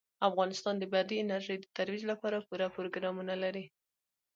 افغانستان د بادي انرژي د ترویج لپاره پوره پروګرامونه لري.